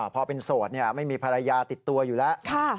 พอเป็นโสดไม่มีภรรยาติดตัวอยู่แล้ว